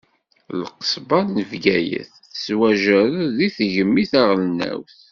Lqesba n Bgayet tettwajerred deg tegmi taɣelnawt.